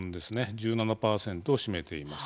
１７％を占めています。